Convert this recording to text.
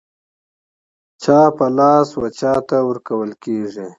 چا په لاس و چاته ورکول کېږي.